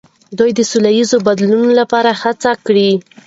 ده د سولهییز بدلون لپاره هڅې کړي.